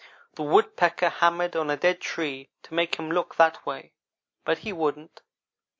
The woodpecker hammered on a dead tree to make him look that way, but he wouldn't.